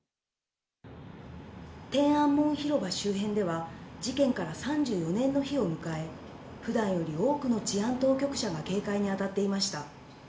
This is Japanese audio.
天安門広場周辺では、事件から３４年の日を迎え、ふだんより多くの治安当局者が警戒に当たっていました。